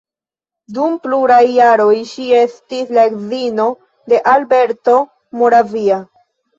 Dum pluraj jaroj ŝi estis la edzino de Alberto Moravia.